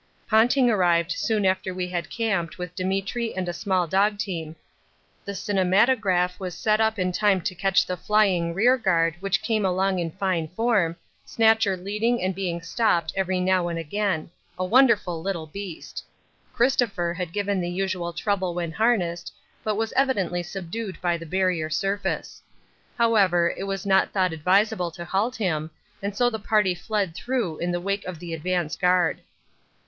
Ponting arrived soon after we had camped with Demetri and a small dog team. The cinematograph was up in time to catch the flying rearguard which came along in fine form, Snatcher leading and being stopped every now and again a wonderful little beast. Christopher had given the usual trouble when harnessed, but was evidently subdued by the Barrier Surface. However, it was not thought advisable to halt him, and so the party fled through in the wake of the advance guard.